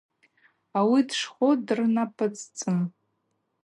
Ауи дшхвы дырнапӏыцӏцӏын.